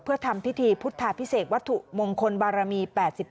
เพื่อทำพิธีพุทธาพิเศษวัตถุมงคลบารมี๘๗